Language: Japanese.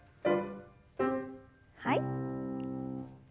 はい。